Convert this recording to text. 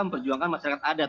memperjuangkan masyarakat adat